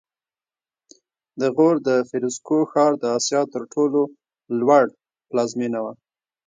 د غور د فیروزکوه ښار د اسیا تر ټولو لوړ پلازمېنه وه